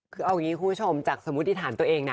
คือเอาอย่างนี้คุณผู้ชมจากสมมุติฐานตัวเองนะ